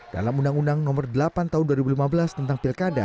dalam undang undang nomor delapan tahun dua ribu lima belas tentang pilkada